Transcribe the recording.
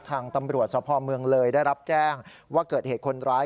ทางตำรวจสพเมืองเลยได้รับแจ้งว่าเกิดเหตุคนร้าย